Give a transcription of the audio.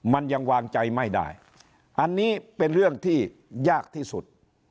มันยังวางใจไม่ได้อันนี้เป็นเรื่องที่ยากที่สุด